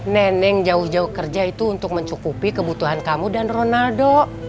neneng jauh jauh kerja itu untuk mencukupi kebutuhan kamu dan ronaldo